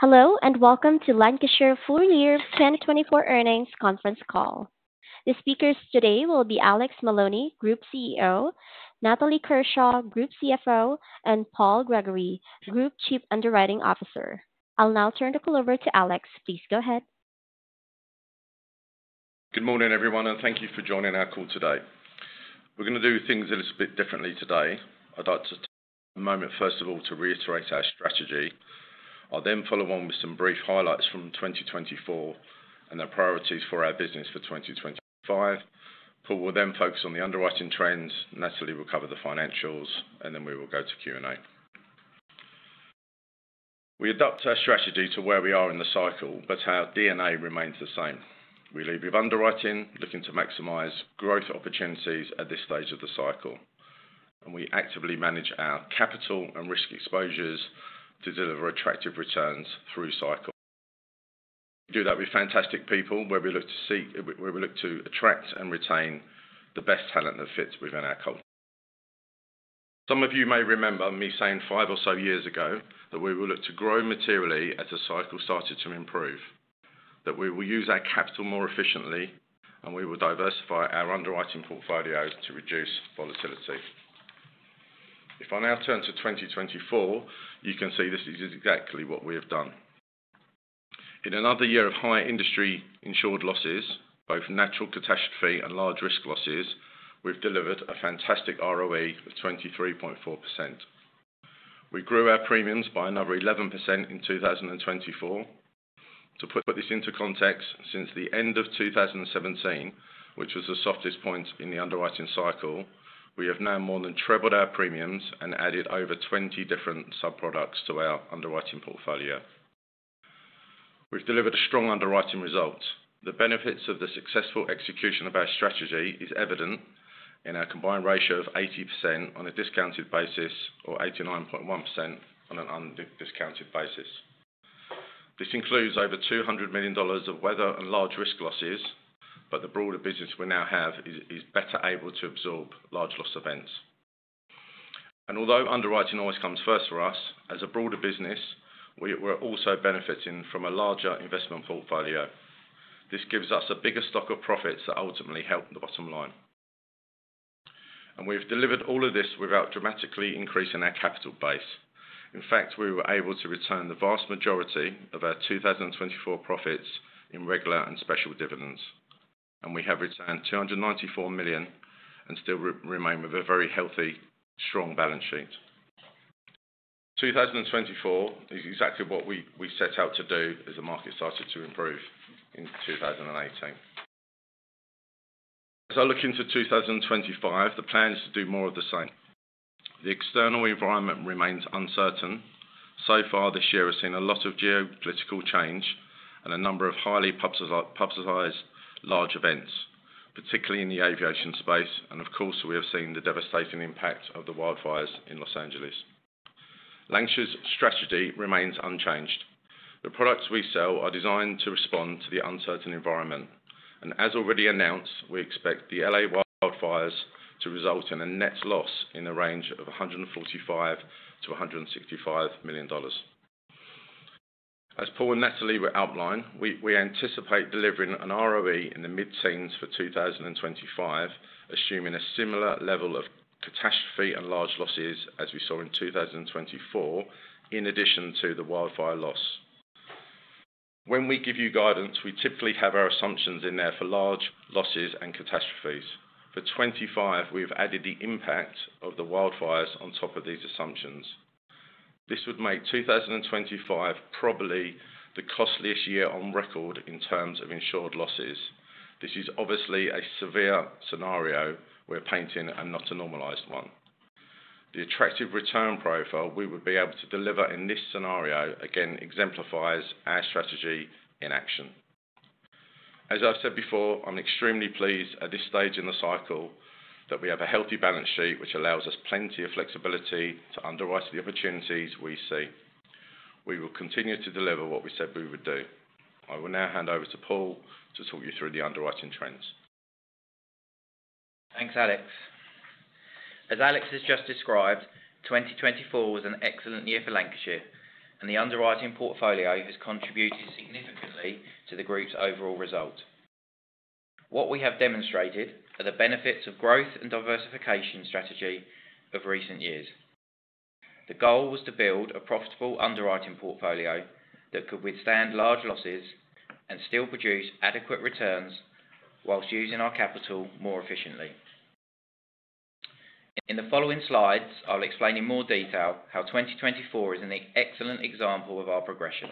Hello and welcome to Lancashire Full Year 2024 Earnings Conference Call. The speakers today will be Alex Maloney, Group CEO, Natalie Kershaw, Group CFO, and Paul Gregory, Group Chief Underwriting Officer. I'll now turn the call over to Alex. Please go ahead. Good morning, everyone, and thank you for joining our call today. We're going to do things a little bit differently today. I'd like to take a moment, first of all, to reiterate our strategy. I'll then follow on with some brief highlights from 2024 and the priorities for our business for 2025. Paul will then focus on the underwriting trends. Natalie will cover the financials, and then we will go to Q&A. We adapt our strategy to where we are in the cycle, but our DNA remains the same. We lead with underwriting, looking to maximize growth opportunities at this stage of the cycle. And we actively manage our capital and risk exposures to deliver attractive returns through cycle. We do that with fantastic people, where we look to attract and retain the best talent that fits within our culture. Some of you may remember me saying five or so years ago that we will look to grow materially as the cycle started to improve, that we will use our capital more efficiently, and we will diversify our underwriting portfolio to reduce volatility. If I now turn to 2024, you can see this is exactly what we have done. In another year of high industry insured losses, both natural catastrophe and large risk losses, we've delivered a fantastic ROE of 23.4%. We grew our premiums by another 11% in 2024. To put this into context, since the end of 2017, which was the softest point in the underwriting cycle, we have now more than trebled our premiums and added over 20 different subproducts to our underwriting portfolio. We've delivered a strong underwriting result. The benefits of the successful execution of our strategy are evident in our Combined Ratio of 80% on a discounted basis or 89.1% on an undiscounted basis. This includes over $200 million of weather and large risk losses, but the broader business we now have is better able to absorb large loss events. Although underwriting always comes first for us, as a broader business, we're also benefiting from a larger investment portfolio. This gives us a bigger stock of profits that ultimately help the bottom line. We've delivered all of this without dramatically increasing our capital base. In fact, we were able to return the vast majority of our 2024 profits in regular and special dividends. We have returned $294 million and still remain with a very healthy, strong balance sheet. 2024 is exactly what we set out to do as the market started to improve in 2018. As I look into 2025, the plan is to do more of the same. The external environment remains uncertain. So far, this year has seen a lot of geopolitical change and a number of highly publicized large events, particularly in the aviation space, and of course, we have seen the devastating impact of the wildfires in Los Angeles. Lancashire's strategy remains unchanged. The products we sell are designed to respond to the uncertain environment, and as already announced, we expect the L.A. wildfires to result in a net loss in the range of $145 to $165 million. As Paul and Natalie were outlining, we anticipate delivering an ROE in the mid-teens for 2025, assuming a similar level of catastrophe and large losses as we saw in 2024, in addition to the wildfire loss. When we give you guidance, we typically have our assumptions in there for large losses and catastrophes. For 2025, we've added the impact of the wildfires on top of these assumptions. This would make 2025 probably the costliest year on record in terms of insured losses. This is obviously a severe scenario we're painting and not a normalized one. The attractive return profile we would be able to deliver in this scenario again exemplifies our strategy in action. As I've said before, I'm extremely pleased at this stage in the cycle that we have a healthy balance sheet, which allows us plenty of flexibility to underwrite the opportunities we see. We will continue to deliver what we said we would do. I will now hand over to Paul to talk you through the underwriting trends. Thanks, Alex. As Alex has just described, 2024 was an excellent year for Lancashire, and the underwriting portfolio has contributed significantly to the group's overall result. What we have demonstrated are the benefits of growth and diversification strategy of recent years. The goal was to build a profitable underwriting portfolio that could withstand large losses and still produce adequate returns whilst using our capital more efficiently. In the following slides, I'll explain in more detail how 2024 is an excellent example of our progression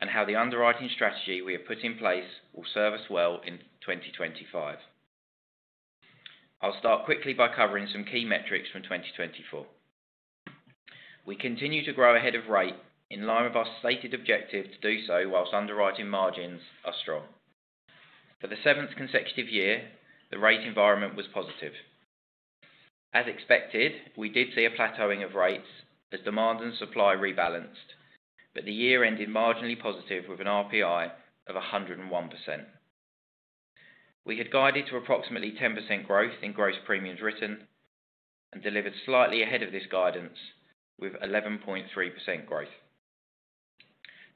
and how the underwriting strategy we have put in place will serve us well in 2025. I'll start quickly by covering some key metrics from 2024. We continue to grow ahead of rate in line with our stated objective to do so whilst underwriting margins are strong. For the seventh consecutive year, the rate environment was positive. As expected, we did see a plateauing of rates as demand and supply rebalanced, but the year ended marginally positive with an RPI of 101%. We had guided to approximately 10% growth in gross premiums written and delivered slightly ahead of this guidance with 11.3% growth.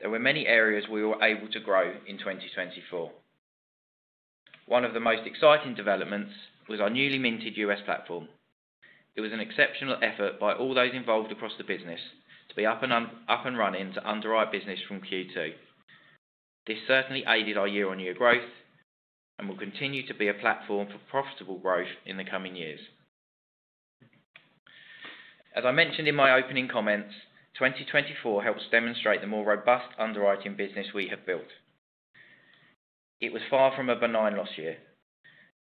There were many areas we were able to grow in 2024. One of the most exciting developments was our newly minted U.S. platform. It was an exceptional effort by all those involved across the business to be up and running to underwrite business from Q2. This certainly aided our year-on-year growth and will continue to be a platform for profitable growth in the coming years. As I mentioned in my opening comments, 2024 helps demonstrate the more robust underwriting business we have built. It was far from a benign loss year.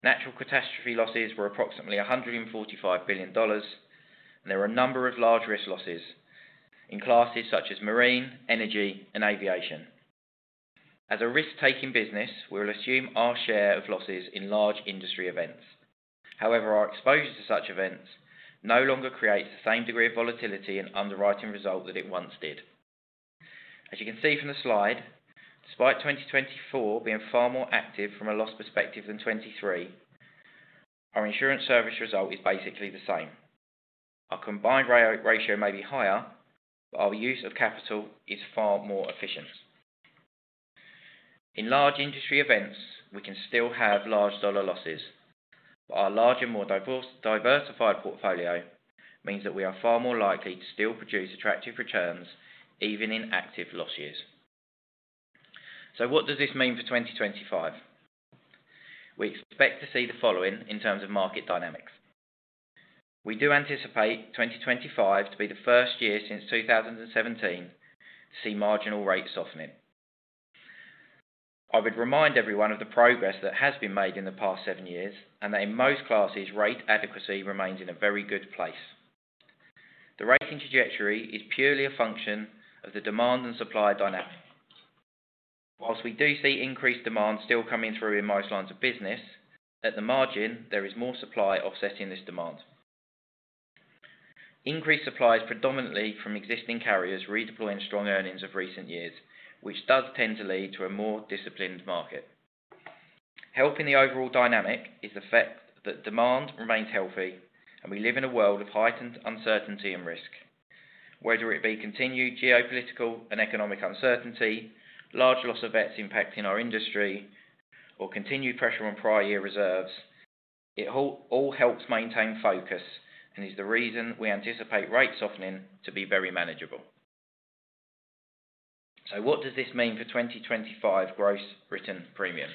Natural catastrophe losses were approximately $145 billion, and there were a number of large risk losses in classes such as marine, energy, and aviation. As a risk-taking business, we'll assume our share of losses in large industry events. However, our exposure to such events no longer creates the same degree of volatility and underwriting result that it once did. As you can see from the slide, despite 2024 being far more active from a loss perspective than 2023, our insurance service result is basically the same. Our combined ratio may be higher, but our use of capital is far more efficient. In large industry events, we can still have large dollar losses, but our larger and more diversified portfolio means that we are far more likely to still produce attractive returns even in active loss years. So what does this mean for 2025? We expect to see the following in terms of market dynamics. We do anticipate 2025 to be the first year since 2017 to see marginal rate softening. I would remind everyone of the progress that has been made in the past seven years and that in most classes, rate adequacy remains in a very good place. The rating trajectory is purely a function of the demand and supply dynamic. While we do see increased demand still coming through in most lines of business, at the margin, there is more supply offsetting this demand. Increased supply is predominantly from existing carriers redeploying strong earnings of recent years, which does tend to lead to a more disciplined market. Helping the overall dynamic is the fact that demand remains healthy, and we live in a world of heightened uncertainty and risk. Whether it be continued geopolitical and economic uncertainty, large loss events impacting our industry, or continued pressure on prior year reserves, it all helps maintain focus and is the reason we anticipate rate softening to be very manageable. So what does this mean for 2025 gross written premiums?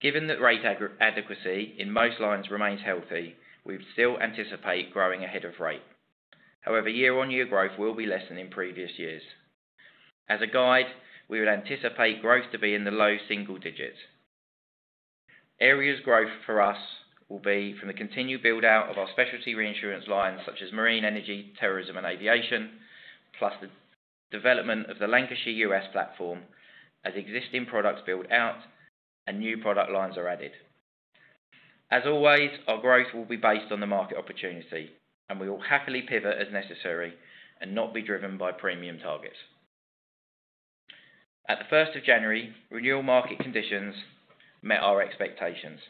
Given that rate adequacy in most lines remains healthy, we would still anticipate growing ahead of rate. However, year-on-year growth will be less than in previous years. As a guide, we would anticipate growth to be in the low single digits. Areas of growth for us will be from the continued build-out of our specialty reinsurance lines such as marine, energy, terrorism, and aviation, plus the development of the Lancashire U.S. platform as existing products build out and new product lines are added. As always, our growth will be based on the market opportunity, and we will happily pivot as necessary and not be driven by premium targets. At the 1st of January, renewal market conditions met our expectations.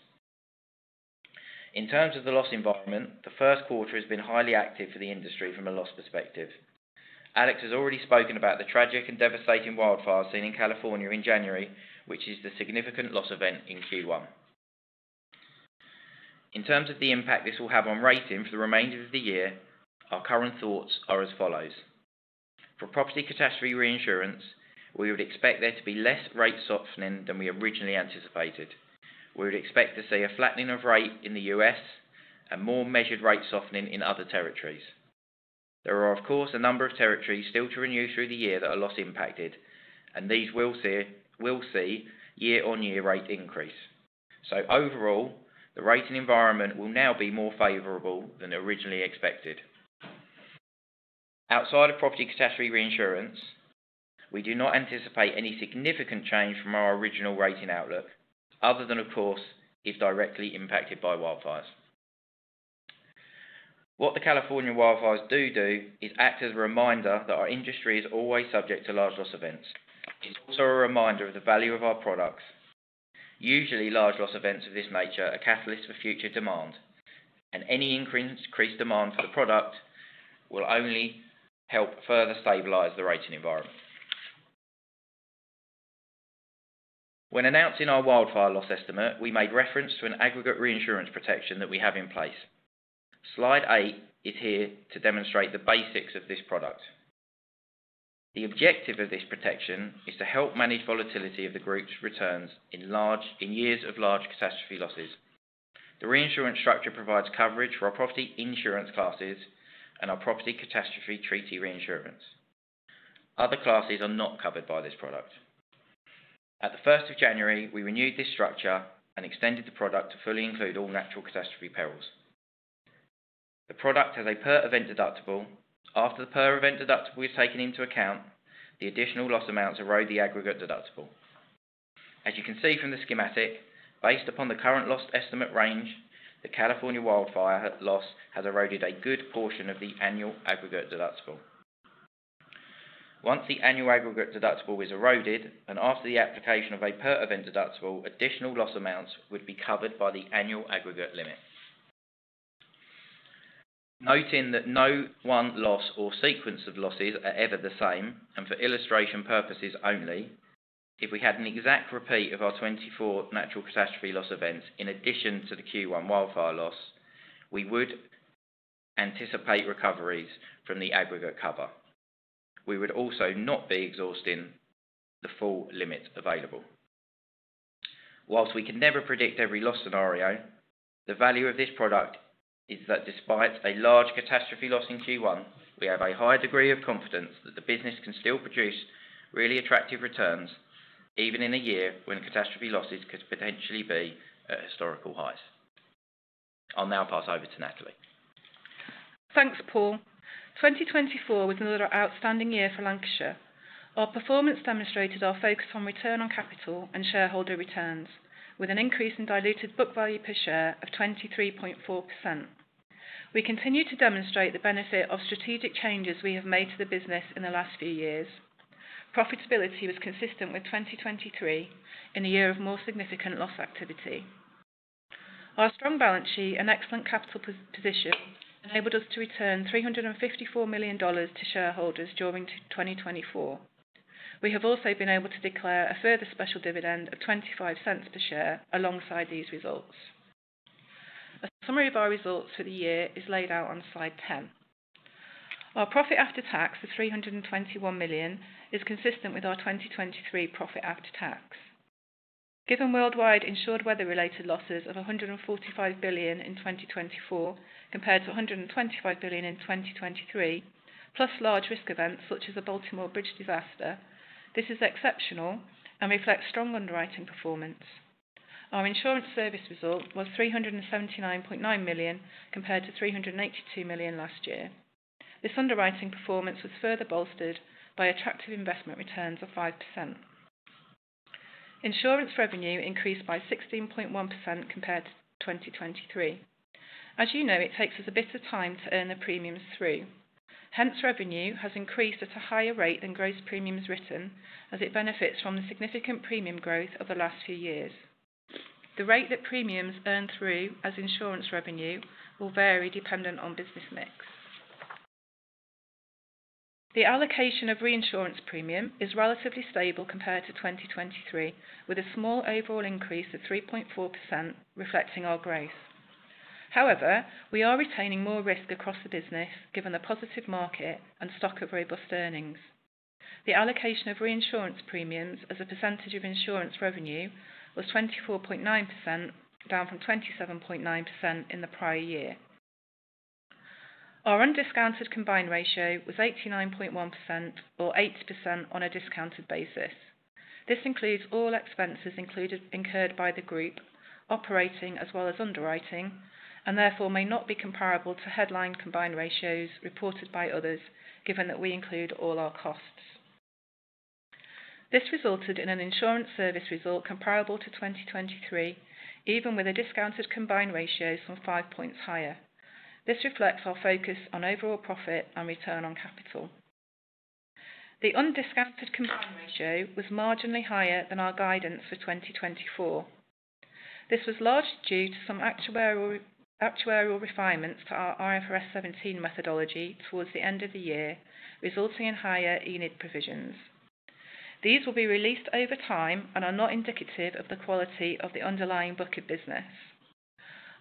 In terms of the loss environment, the first quarter has been highly active for the industry from a loss perspective. Alex has already spoken about the tragic and devastating wildfire season in California in January, which is the significant loss event in Q1. In terms of the impact this will have on rating for the remainder of the year, our current thoughts are as follows. For property catastrophe reinsurance, we would expect there to be less rate softening than we originally anticipated. We would expect to see a flattening of rate in the U.S. and more measured rate softening in other territories. There are, of course, a number of territories still to renew through the year that are loss impacted, and these will see year-on-year rate increase. So overall, the rating environment will now be more favorable than originally expected. Outside of property catastrophe reinsurance, we do not anticipate any significant change from our original rating outlook other than, of course, if directly impacted by wildfires. What the California wildfires do is act as a reminder that our industry is always subject to large loss events. It's also a reminder of the value of our products. Usually, large loss events of this nature are catalysts for future demand, and any increased demand for the product will only help further stabilize the rating environment. When announcing our wildfire loss estimate, we made reference to an aggregate reinsurance protection that we have in place. Slide 8 is here to demonstrate the basics of this product. The objective of this protection is to help manage volatility of the group's returns in years of large catastrophe losses. The reinsurance structure provides coverage for our property insurance classes and our property catastrophe treaty reinsurance. Other classes are not covered by this product. At the 1st of January, we renewed this structure and extended the product to fully include all natural catastrophe perils. The product has a per-event deductible. After the per-event deductible is taken into account, the additional loss amounts erode the aggregate deductible. As you can see from the schematic, based upon the current loss estimate range, the California wildfire loss has eroded a good portion of the annual aggregate deductible. Once the annual aggregate deductible is eroded, and after the application of a per-event deductible, additional loss amounts would be covered by the annual aggregate limit. Noting that no one loss or sequence of losses are ever the same, and for illustration purposes only, if we had an exact repeat of our 2024 natural catastrophe loss events in addition to the Q1 wildfire loss, we would anticipate recoveries from the aggregate cover. We would also not be exhausting the full limits available. Whilst we can never predict every loss scenario, the value of this product is that despite a large catastrophe loss in Q1, we have a high degree of confidence that the business can still produce really attractive returns even in a year when catastrophe losses could potentially be at historical highs. I'll now pass over to Natalie. Thanks, Paul. 2024 was another outstanding year for Lancashire. Our performance demonstrated our focus on return on capital and shareholder returns, with an increase in diluted book value per share of 23.4%. We continue to demonstrate the benefit of strategic changes we have made to the business in the last few years. Profitability was consistent with 2023 in a year of more significant loss activity. Our strong balance sheet and excellent capital position enabled us to return $354 million to shareholders during 2024. We have also been able to declare a further special dividend of $0.25 per share alongside these results. A summary of our results for the year is laid out on slide 10. Our profit after tax, the $321 million, is consistent with our 2023 profit after tax. Given worldwide insured weather-related losses of $145 billion in 2024 compared to $125 billion in 2023, plus large risk events such as the Key Bridge disaster, this is exceptional and reflects strong underwriting performance. Our insurance service result was $379.9 million compared to $382 million last year. This underwriting performance was further bolstered by attractive investment returns of 5%. Insurance revenue increased by 16.1% compared to 2023. As you know, it takes us a bit of time to earn the premiums through. Hence, revenue has increased at a higher rate than gross premiums written, as it benefits from the significant premium growth of the last few years. The rate that premiums earn through as insurance revenue will vary dependent on business mix. The allocation of reinsurance premium is relatively stable compared to 2023, with a small overall increase of 3.4% reflecting our growth. However, we are retaining more risk across the business given the positive market and stock of robust earnings. The allocation of reinsurance premiums as a percentage of insurance revenue was 24.9%, down from 27.9% in the prior year. Our undiscounted combined ratio was 89.1%, or 81% on a discounted basis. This includes all expenses incurred by the group operating as well as underwriting, and therefore may not be comparable to headline combined ratios reported by others, given that we include all our costs. This resulted in an insurance service result comparable to 2023, even with a discounted combined ratio five points higher. This reflects our focus on overall profit and return on capital. The undiscounted combined ratio was marginally higher than our guidance for 2024. This was largely due to some actuarial refinements to our IFRS 17 methodology towards the end of the year, resulting in higher ENID provisions. These will be released over time and are not indicative of the quality of the underlying book of business.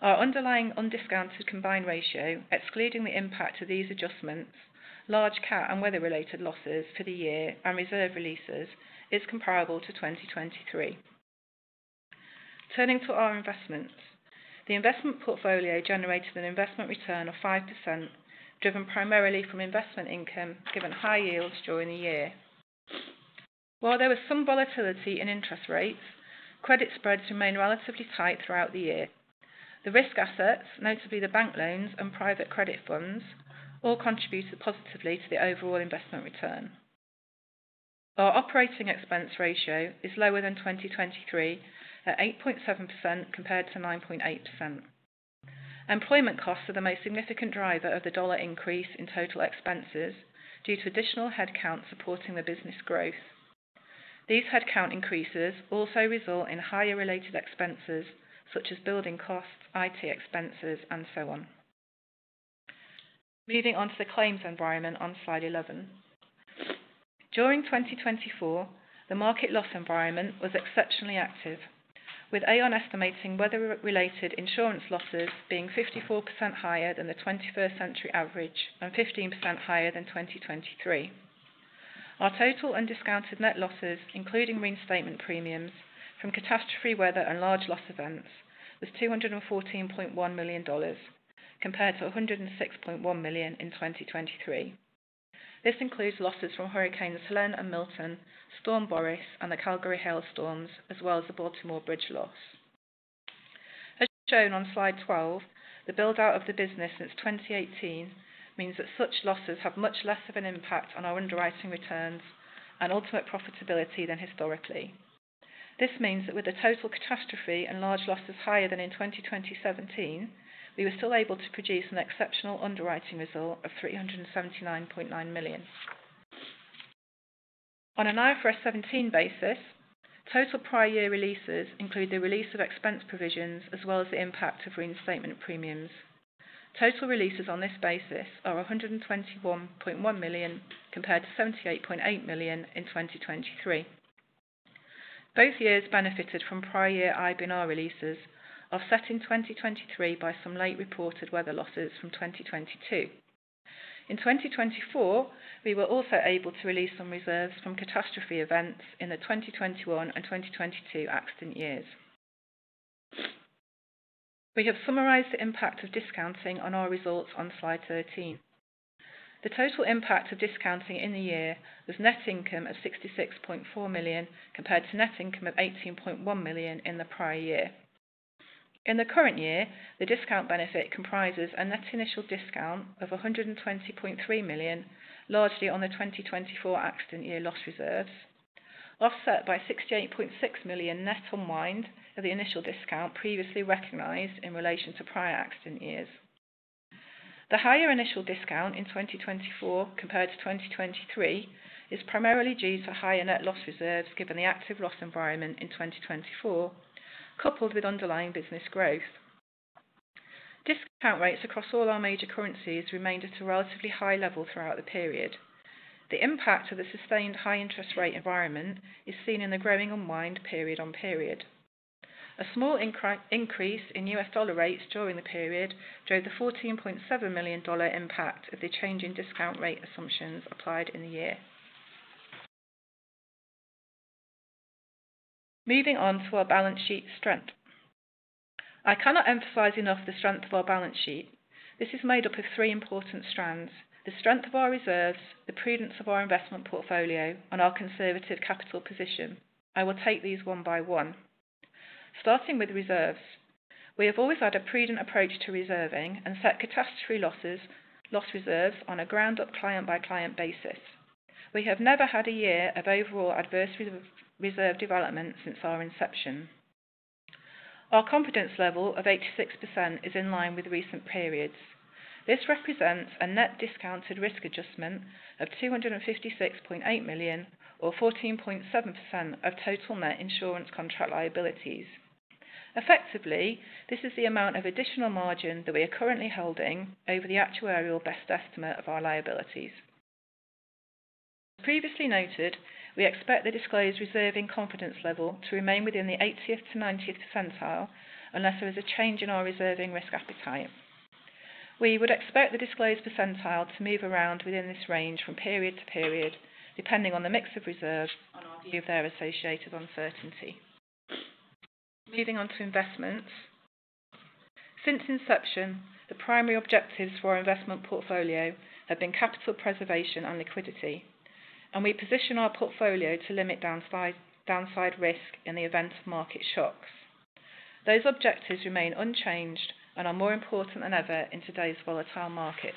Our underlying undiscounted combined ratio, excluding the impact of these adjustments, large cat and weather-related losses for the year, and reserve releases, is comparable to 2023. Turning to our investments, the investment portfolio generated an investment return of 5%, driven primarily from investment income given high yields during the year. While there was some volatility in interest rates, credit spreads remained relatively tight throughout the year. The risk assets, notably the bank loans and private credit funds, all contributed positively to the overall investment return. Our operating expense ratio is lower than 2023 at 8.7% compared to 9.8%. Employment costs are the most significant driver of the dollar increase in total expenses due to additional headcount supporting the business growth. These headcount increases also result in higher related expenses such as building costs, IT expenses, and so on. Moving on to the claims environment on slide 11. During 2024, the market loss environment was exceptionally active, with Aon estimating weather-related insurance losses being 54% higher than the 21st-century average and 15% higher than 2023. Our total undiscounted net losses, including reinstatement premiums from catastrophe weather and large loss events, was $214.1 million compared to $106.1 million in 2023. This includes losses from Hurricanes Helene and Milton, Storm Boris, and the Calgary hailstorms, as well as the Baltimore Bridge loss. As shown on slide 12, the build-out of the business since 2018 means that such losses have much less of an impact on our underwriting returns and ultimate profitability than historically. This means that with the total catastrophe and large losses higher than in 2017, we were still able to produce an exceptional underwriting result of $379.9 million. On an IFRS 17 basis, total prior year releases include the release of expense provisions as well as the impact of reinstatement premiums. Total releases on this basis are $121.1 million compared to $78.8 million in 2023. Both years benefited from prior year IBNR releases, offsetting 2023 by some late reported weather losses from 2022. In 2024, we were also able to release some reserves from catastrophe events in the 2021 and 2022 accident years. We have summarized the impact of discounting on our results on slide 13. The total impact of discounting in the year was net income of $66.4 million compared to net income of $18.1 million in the prior year. In the current year, the discount benefit comprises a net initial discount of $120.3 million, largely on the 2024 accident year loss reserves, offset by $68.6 million net unwind of the initial discount previously recognized in relation to prior accident years. The higher initial discount in 2024 compared to 2023 is primarily due to higher net loss reserves given the active loss environment in 2024, coupled with underlying business growth. Discount rates across all our major currencies remained at a relatively high level throughout the period. The impact of the sustained high interest rate environment is seen in the growing unwind period on period. A small increase in U.S. dollar rates during the period drove the $14.7 million impact of the changing discount rate assumptions applied in the year. Moving on to our balance sheet strength. I cannot emphasize enough the strength of our balance sheet. This is made up of three important strands: the strength of our reserves, the prudence of our investment portfolio, and our conservative capital position. I will take these one by one. Starting with reserves, we have always had a prudent approach to reserving and set catastrophe loss reserves on a ground-up client-by-client basis. We have never had a year of overall adverse reserve development since our inception. Our confidence level of 86% is in line with recent periods. This represents a net discounted risk adjustment of $256.8 million, or 14.7% of total net insurance contract liabilities. Effectively, this is the amount of additional margin that we are currently holding over the actuarial best estimate of our liabilities. As previously noted, we expect the disclosed reserving confidence level to remain within the 80th to 90th percentile unless there is a change in our reserving risk appetite. We would expect the disclosed percentile to move around within this range from period to period, depending on the mix of reserves on our view of their associated uncertainty. Moving on to investments. Since inception, the primary objectives for our investment portfolio have been capital preservation and liquidity, and we position our portfolio to limit downside risk in the event of market shocks. Those objectives remain unchanged and are more important than ever in today's volatile markets.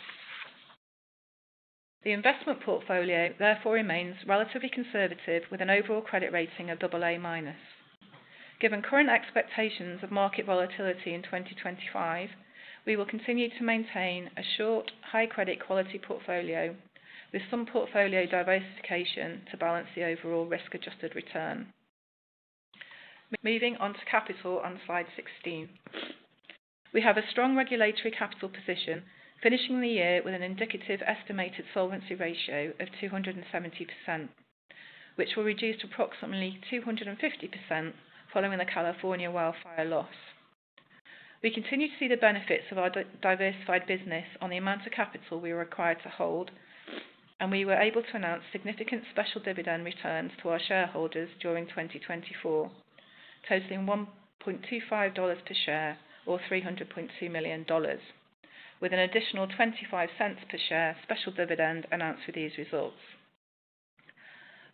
The investment portfolio therefore remains relatively conservative with an overall credit rating of AA-. Given current expectations of market volatility in 2025, we will continue to maintain a short, high-credit quality portfolio with some portfolio diversification to balance the overall risk-adjusted return. Moving on to capital on slide 16. We have a strong regulatory capital position finishing the year with an indicative estimated solvency ratio of 270%, which will reduce to approximately 250% following the California wildfire loss. We continue to see the benefits of our diversified business on the amount of capital we are required to hold, and we were able to announce significant special dividend returns to our shareholders during 2024, totaling $1.25 per share, or $300.2 million, with an additional $0.25 per share special dividend announced with these results.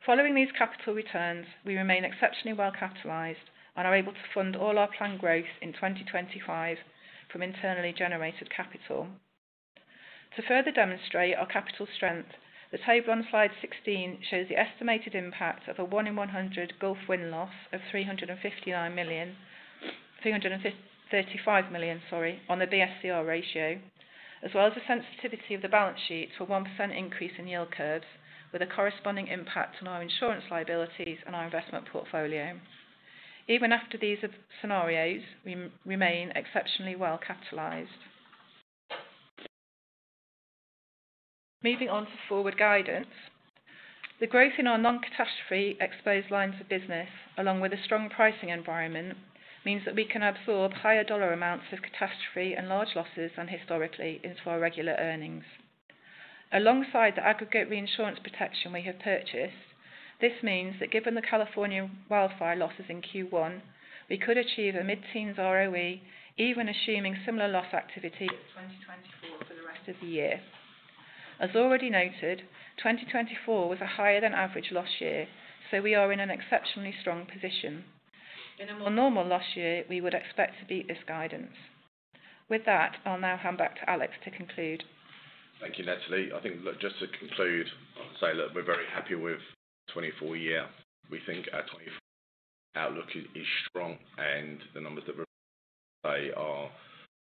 Following these capital returns, we remain exceptionally well capitalized and are able to fund all our planned growth in 2025 from internally generated capital. To further demonstrate our capital strength, the table on slide 16 shows the estimated impact of a 1 in 100 Gulf Wind loss of $335 million on the BSCR ratio, as well as the sensitivity of the balance sheet for a 1% increase in yield curves, with a corresponding impact on our insurance liabilities and our investment portfolio. Even after these scenarios, we remain exceptionally well capitalized. Moving on to forward guidance. The growth in our non-catastrophe exposed lines of business, along with a strong pricing environment, means that we can absorb higher dollar amounts of catastrophe and large losses than historically into our regular earnings. Alongside the aggregate reinsurance protection we have purchased, this means that given the California wildfire losses in Q1, we could achieve a mid-teens ROE, even assuming similar loss activity as 2024 for the rest of the year. As already noted, 2024 was a higher-than-average loss year, so we are in an exceptionally strong position. In a more normal loss year, we would expect to beat this guidance. With that, I'll now hand back to Alex to conclude. Thank you, Natalie. I think just to conclude, I'll say that we're very happy with the 2024 year. We think our 2024 outlook is strong, and the numbers that we're looking at today are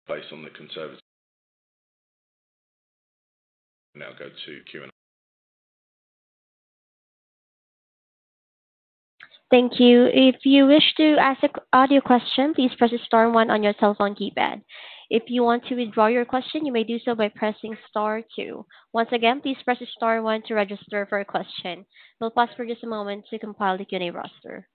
based on the conservative risk. I'll now go to Q&A. Thank you. If you wish to ask an audio question, please press the star one on your cell phone keypad. If you want to withdraw your question, you may do so by pressing star two. Once again, please press the star one to register for a question. We'll pause for just a moment to compile the Q&A roster.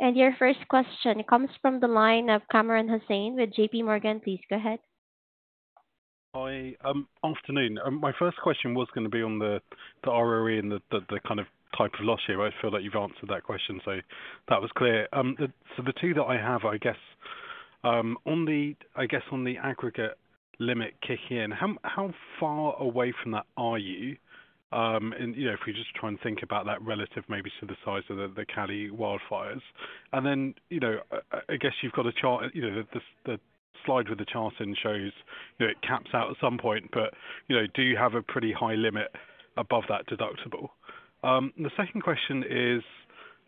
And your first question comes from the line of Kamran Hossain with J.P. Morgan. Please go ahead. Hi. Afternoon. My first question was going to be on the ROE and the kind of type of loss year. I feel like you've answered that question, so that was clear. So the two that I have, I guess, on the aggregate limit kick in, how far away from that are you? If we just try and think about that relative maybe to the size of the Cali wildfires. And then I guess you've got a chart. The slide with the chart in shows, it caps out at some point, but do you have a pretty high limit above that deductible? The second question is,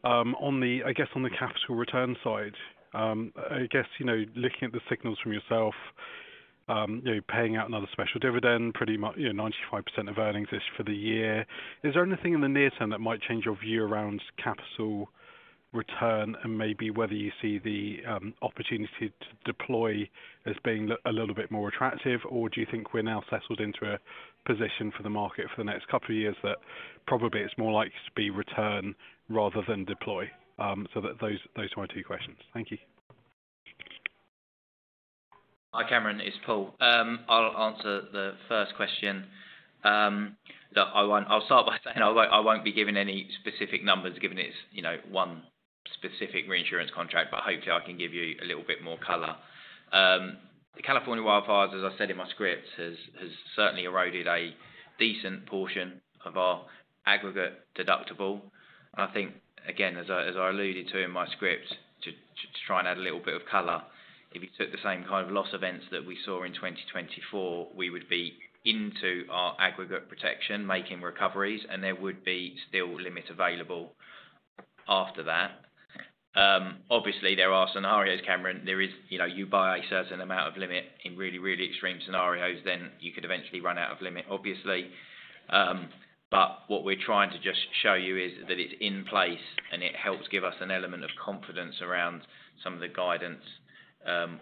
I guess, on the capital return side, I guess looking at the signals from yourself, paying out another special dividend, pretty much 95% of earnings is for the year. Is there anything in the near term that might change your view around capital return and maybe whether you see the opportunity to deploy as being a little bit more attractive, or do you think we're now settled into a position for the market for the next couple of years that probably it's more likely to be return rather than deploy? So those are my two questions. Thank you. Hi, Cameron. It's Paul. I'll answer the first question. I'll start by saying I won't be giving any specific numbers given it's one specific reinsurance contract, but hopefully I can give you a little bit more color. The California wildfires, as I said in my script, has certainly eroded a decent portion of our aggregate deductible. And I think, again, as I alluded to in my script, to try and add a little bit of color, if you took the same kind of loss events that we saw in 2024, we would be into our aggregate protection, making recoveries, and there would be still limit available after that. Obviously, there are scenarios, Cameron. You buy a certain amount of limit in really, really extreme scenarios, then you could eventually run out of limit, obviously. But what we're trying to just show you is that it's in place and it helps give us an element of confidence around some of the guidance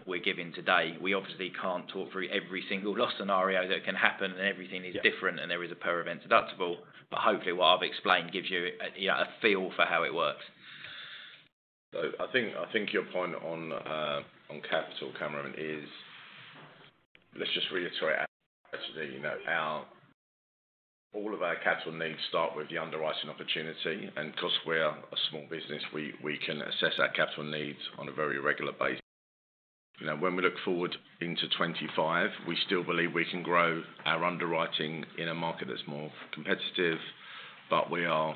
we're giving today. We obviously can't talk through every single loss scenario that can happen and everything is different and there is a per event deductible, but hopefully what I've explained gives you a feel for how it works. So I think your point on capital, Cameron, is, let's just reiterate actually all of our capital needs start with the underwriting opportunity. And of course, we are a small business. We can assess our capital needs on a very regular basis. When we look forward into 2025, we still believe we can grow our underwriting in a market that's more competitive, but we are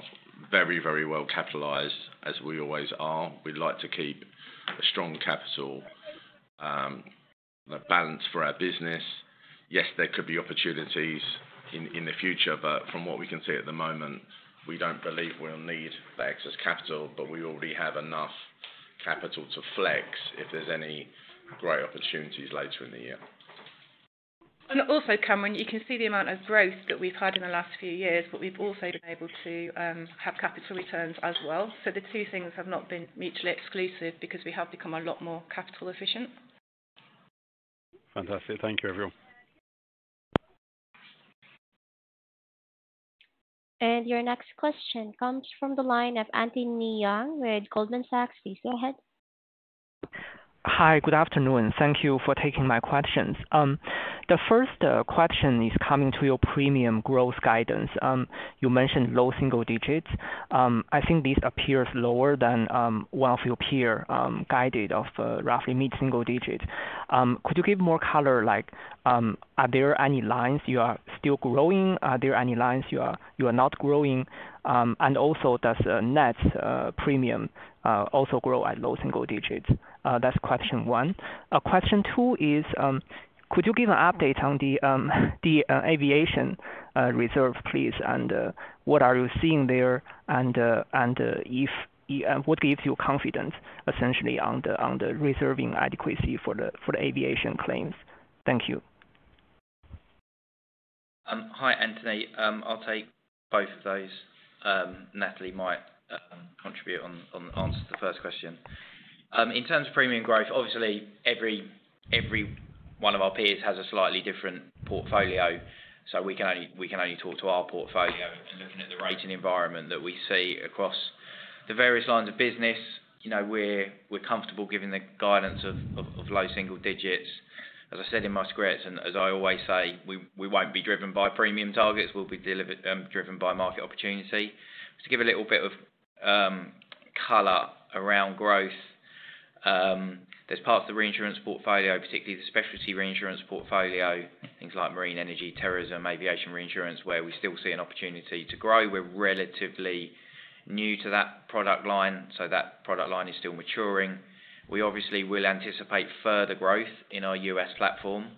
very, very well capitalized, as we always are. We'd like to keep a strong capital balance for our business. Yes, there could be opportunities in the future, but from what we can see at the moment, we don't believe we'll need the excess capital, but we already have enough capital to flex if there's any great opportunities later in the year. And also, Cameron, you can see the amount of growth that we've had in the last few years, but we've also been able to have capital returns as well. So the two things have not been mutually exclusive because we have become a lot more capital efficient. Fantastic. Thank you, everyone. And your next question comes from the line of Anthony Yang with Goldman Sachs. Please go ahead. Hi. Good afternoon. Thank you for taking my questions. The first question is coming to your premium growth guidance. You mentioned low single digits. I think this appears lower than one of your peers' guidance of roughly mid-single digits. Could you give more color? Are there any lines you are still growing? Are there any lines you are not growing? And also, does net premium also grow at low single digits? That's question one. Question two is, could you give an update on the aviation reserve, please, and what are you seeing there? And what gives you confidence, essentially, on the reserving adequacy for the aviation claims? Thank you. Hi, Anthony. I'll take both of those. Natalie might contribute on the answer to the first question. In terms of premium growth, obviously, every one of our peers has a slightly different portfolio, so we can only talk to our portfolio, and looking at the rating environment that we see across the various lines of business, we're comfortable giving the guidance of low single digits. As I said in my script, and as I always say, we won't be driven by premium targets. We'll be driven by market opportunity. To give a little bit of color around growth, there's parts of the reinsurance portfolio, particularly the specialty reinsurance portfolio, things like marine energy, terrorism, aviation reinsurance, where we still see an opportunity to grow. We're relatively new to that product line, so that product line is still maturing. We obviously will anticipate further growth in our U.S. platform,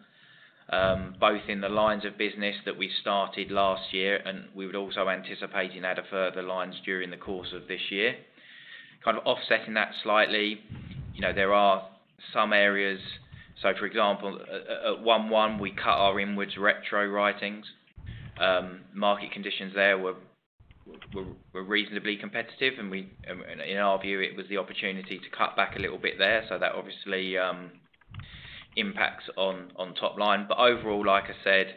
both in the lines of business that we started last year, and we would also anticipate and add a further lines during the course of this year. Kind of offsetting that slightly, there are some areas. So, for example, at 11, we cut our inward retro writings. Market conditions there were reasonably competitive, and in our view, it was the opportunity to cut back a little bit there. So that obviously impacts on top line. But overall, like I said,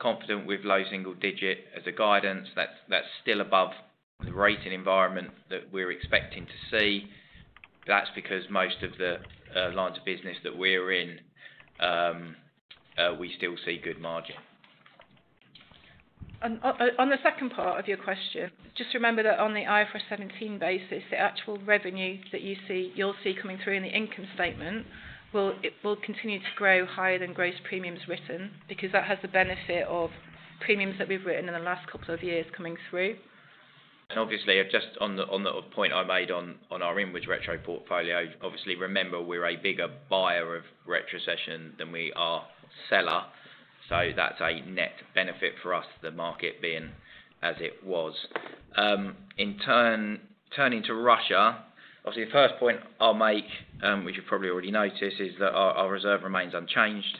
confident with low single digit as a guidance. That's still above the rating environment that we're expecting to see. That's because most of the lines of business that we're in, we still see good margin. On the second part of your question, just remember that on the IFRS 17 basis, the actual revenue that you'll see coming through in the income statement will continue to grow higher than gross premiums written because that has the benefit of premiums that we've written in the last couple of years coming through. And obviously, just on the point I made on our Inwards retro portfolio, obviously, remember we're a bigger buyer of retrocession than we are seller. So that's a net benefit for us, the market being as it was. In turning to Russia, obviously, the first point I'll make, which you've probably already noticed, is that our reserve remains unchanged.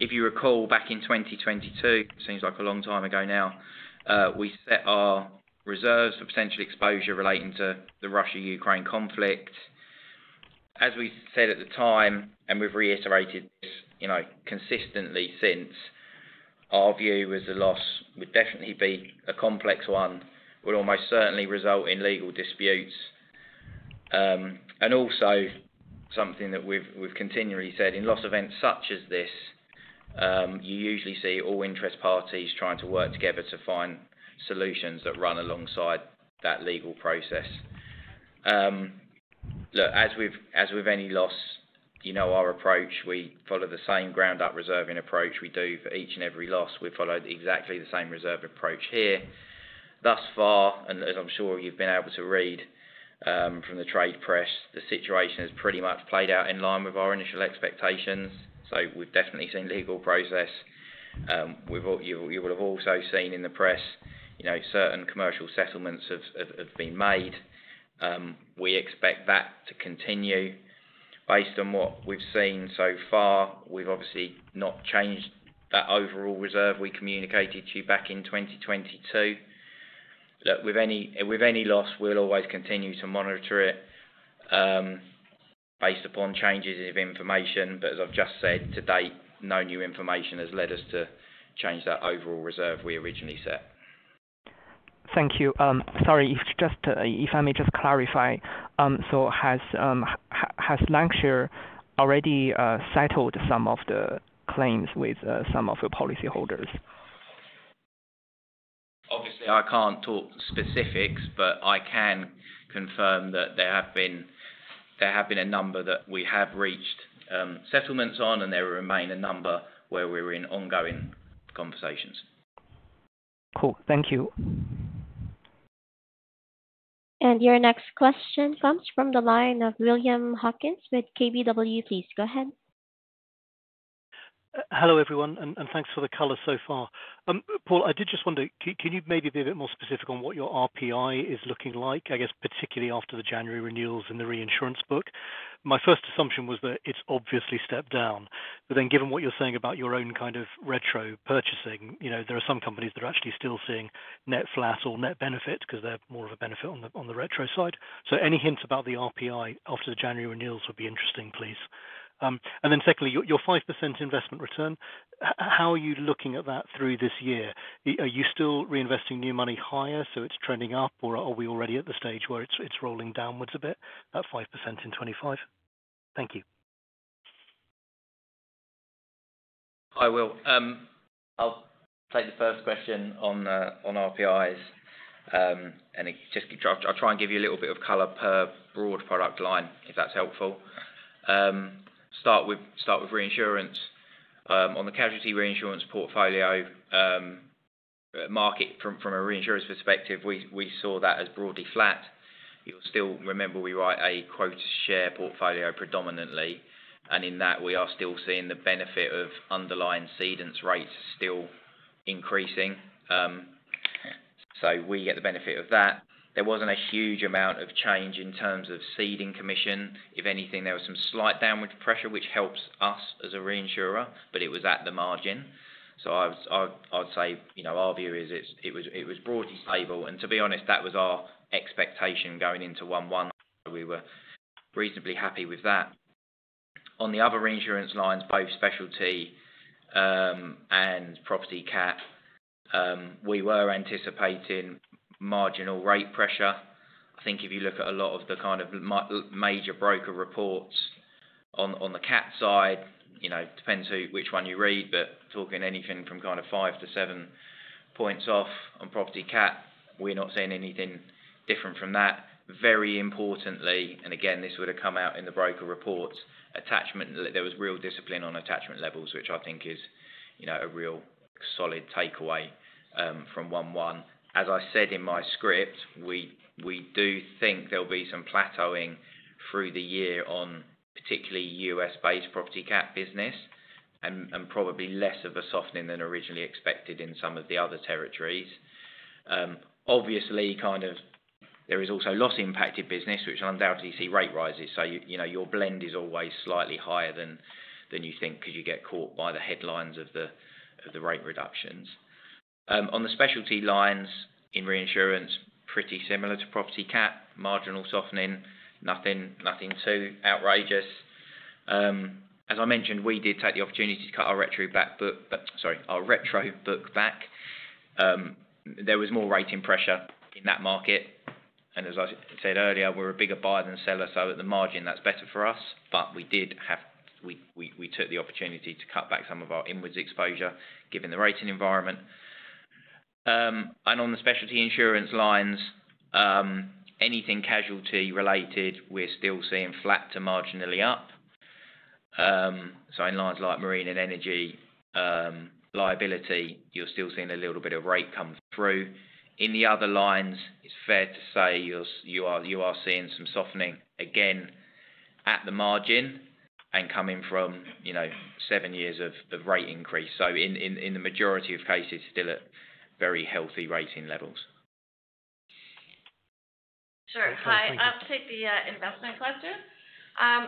If you recall, back in 2022, it seems like a long time ago now, we set our reserves for potential exposure relating to the Russia-Ukraine conflict. As we said at the time, and we've reiterated this consistently since, our view was the loss would definitely be a complex one, would almost certainly result in legal disputes, and also, something that we've continually said, in loss events such as this, you usually see all interest parties trying to work together to find solutions that run alongside that legal process. Look, as with any loss, you know our approach. We follow the same ground-up reserving approach we do for each and every loss. We followed exactly the same reserve approach here. Thus far, and as I'm sure you've been able to read from the trade press, the situation has pretty much played out in line with our initial expectations. So we've definitely seen legal process. You will have also seen in the press certain commercial settlements have been made. We expect that to continue. Based on what we've seen so far, we've obviously not changed that overall reserve we communicated to you back in 2022. Look, with any loss, we'll always continue to monitor it based upon changes of information. But as I've just said, to date, no new information has led us to change that overall reserve we originally set. Thank you. Sorry, if I may just clarify, so has Lancashire already settled some of the claims with some of your policyholders? Obviously, I can't talk specifics, but I can confirm that there have been a number that we have reached settlements on, and there will remain a number where we're in ongoing conversations. Cool. Thank you. And your next question comes from the line of William Hawkins with KBW. Please go ahead. Hello everyone, and thanks for the color so far. Paul, I did just wonder, can you maybe be a bit more specific on what your RPI is looking like, I guess, particularly after the January renewals in the reinsurance book? My first assumption was that it's obviously stepped down. But then given what you're saying about your own kind of retro purchasing, there are some companies that are actually still seeing net flat or net benefit because they're more of a benefit on the retro side. Any hints about the RPI after the January renewals would be interesting, please. And then secondly, your 5% investment return, how are you looking at that through this year? Are you still reinvesting new money higher? So it's trending up, or are we already at the stage where it's rolling downwards a bit, that 5% in 2025? Thank you. I will. I'll take the first question on RPIs. And I'll try and give you a little bit of color per broad product line, if that's helpful. Start with reinsurance. On the casualty reinsurance portfolio market, from a reinsurance perspective, we saw that as broadly flat. You'll still remember we write a quota share portfolio predominantly. And in that, we are still seeing the benefit of underlying ceding rates still increasing. So we get the benefit of that. There wasn't a huge amount of change in terms of ceding commission. If anything, there was some slight downward pressure, which helps us as a reinsurer, but it was at the margin. So I would say our view is it was broadly stable. And to be honest, that was our expectation going into 11. We were reasonably happy with that. On the other reinsurance lines, both specialty and property cat, we were anticipating marginal rate pressure. I think if you look at a lot of the kind of major broker reports on the cat side, it depends which one you read, but talking anything from kind of five to seven points off on property cat, we're not seeing anything different from that. Very importantly, and again, this would have come out in the broker reports, there was real discipline on attachment levels, which I think is a real solid takeaway from 11. As I said in my script, we do think there'll be some plateauing through the year on particularly US-based property cat business and probably less of a softening than originally expected in some of the other territories. Obviously, kind of there is also loss-impacted business, which undoubtedly see rate rises. So your blend is always slightly higher than you think because you get caught by the headlines of the rate reductions. On the specialty lines in reinsurance, pretty similar to property cat, marginal softening, nothing too outrageous. As I mentioned, we did take the opportunity to cut our retro book back. There was more rating pressure in that market. And as I said earlier, we're a bigger buyer than seller, so at the margin, that's better for us. But we took the opportunity to cut back some of our inwards exposure, given the rating environment. And on the specialty insurance lines, anything casualty related, we're still seeing flat to marginally up. So in lines like marine and energy liability, you're still seeing a little bit of rate comes through. In the other lines, it's fair to say you are seeing some softening, again, at the margin and coming from seven years of rate increase. So in the majority of cases, still at very healthy rating levels. Sure. Hi. I'll take the investment question.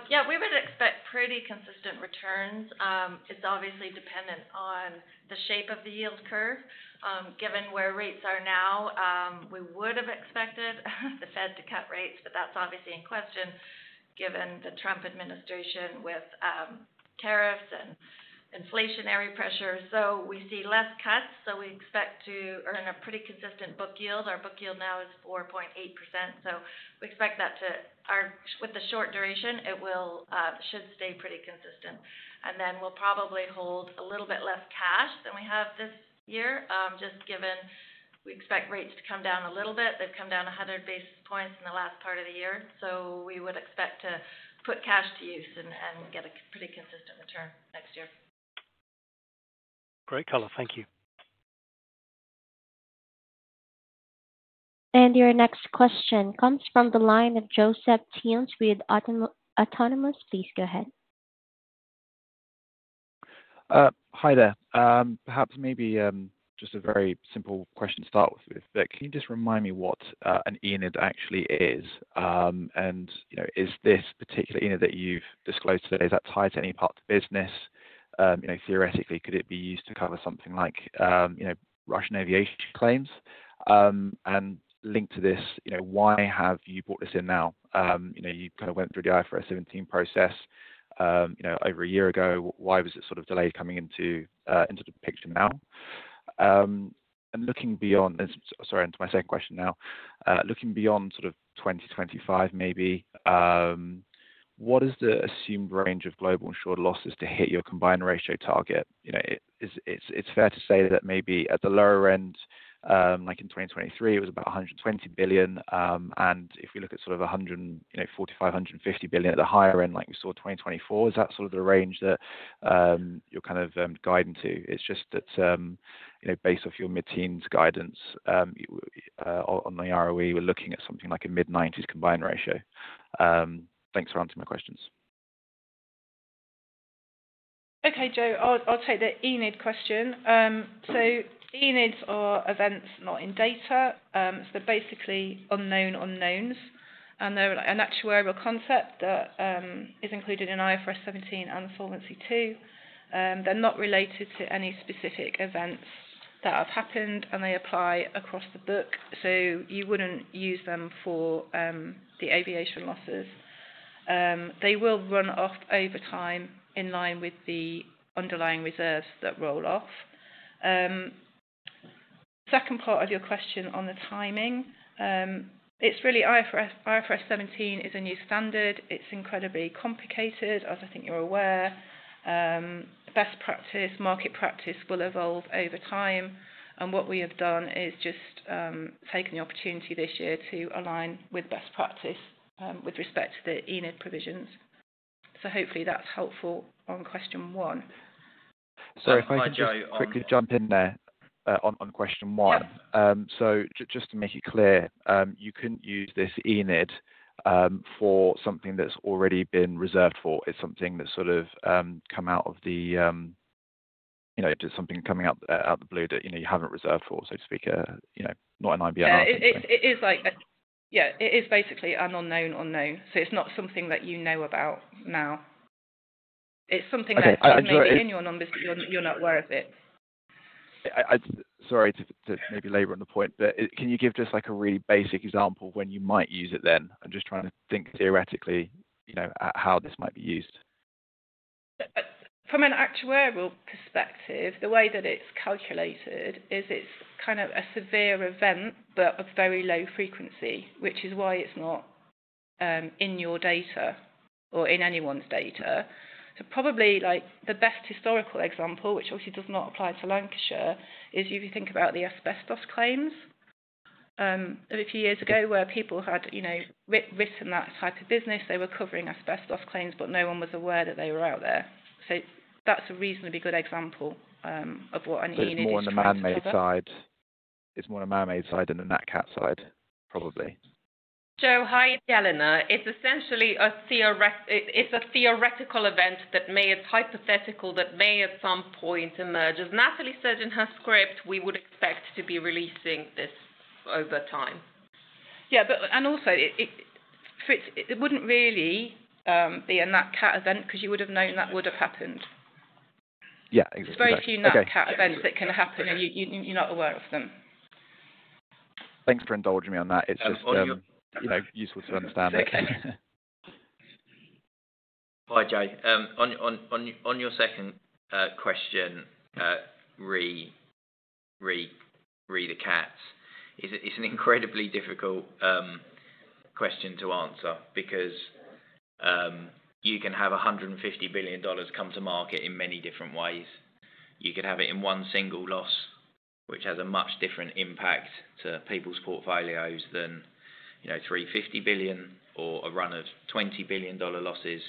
Yeah, we would expect pretty consistent returns. It's obviously dependent on the shape of the yield curve. Given where rates are now, we would have expected the Fed to cut rates, but that's obviously in question given the Trump administration with tariffs and inflationary pressure. So we see less cuts, so we expect to earn a pretty consistent book yield. Our book yield now is 4.8%. So we expect that with the short duration, it should stay pretty consistent. And then we'll probably hold a little bit less cash than we have this year, just given we expect rates to come down a little bit. They've come down 100 basis points in the last part of the year. So we would expect to put cash to use and get a pretty consistent return next year. Great color. Thank you. And your next question comes from the line of Joseph Theuns with Autonomous. Please go ahead. Hi there. Perhaps maybe just a very simple question to start with. Can you just remind me what an ENID actually is? And is this particular ENID that you've disclosed today, is that tied to any part of the business? Theoretically, could it be used to cover something like Russian aviation claims? And linked to this, why have you brought this in now? You kind of went through the IFRS 17 process over a year ago. Why was it sort of delayed coming into the picture now? And looking beyond, sorry, into my second question now, looking beyond sort of 2025 maybe, what is the assumed range of global insured losses to hit your combined ratio target? It's fair to say that maybe at the lower end, like in 2023, it was about $120 billion. And if we look at sort of $140 to $550 billion at the higher end, like we saw 2024, is that sort of the range that you're kind of guiding to? It's just that based off your mid-teens guidance on the ROE, we're looking at something like a mid-90s combined ratio. Thanks for answering my questions. Okay, Joe, I'll take the ENID question. ENIDs are events not in data. They're basically unknown unknowns. They're an actuarial concept that is included in IFRS 17 and Solvency II. They're not related to any specific events that have happened, and they apply across the book. You wouldn't use them for the aviation losses. They will run off over time in line with the underlying reserves that roll off. Second part of your question on the timing, it's really IFRS 17 is a new standard. It's incredibly complicated, as I think you're aware. Best practice, market practice will evolve over time. What we have done is just taken the opportunity this year to align with best practice with respect to the ENID provisions. Hopefully that's helpful on question one. Sorry, if I could quickly jump in there on question one. So just to make it clear, you couldn't use this ENID for something that's already been reserved for. It's something that's sort of come out of the blue that you haven't reserved for, so to speak, not an IBNR. Yeah, it is basically an unknown unknown. So it's not something that you know about now. It's something that's not in your numbers, but you're not aware of it. Sorry to maybe labor on the point, but can you give just a really basic example of when you might use it then? I'm just trying to think theoretically at how this might be used. From an actuarial perspective, the way that it's calculated is it's kind of a severe event, but of very low frequency, which is why it's not in your data or in anyone's data. So probably the best historical example, which obviously does not apply to Lancashire, is if you think about the asbestos claims of a few years ago where people had written that type of business, they were covering asbestos claims, but no one was aware that they were out there. So that's a reasonably good example of what an ENID is for. It's more on the man-made side. It's more on the man-made side than the nat-cat side, probably. Joe, hi, Jelena. It's a theoretical event that may, it's hypothetical, that may at some point emerge. As Natalie said in her script, we would expect to be releasing this over time. Yeah, and also, it wouldn't really be a nat-cat event because you would have known that would have happened. Yeah, exactly. It's very few nat-cat events that can happen, and you're not aware of them. Thanks for indulging me on that. It's just useful to understand. Hi, Joe. On your second question, re the cats, it's an incredibly difficult question to answer because you can have $150 billion come to market in many different ways. You could have it in one single loss, which has a much different impact to people's portfolios than $350 billion or a run of $20 billion losses.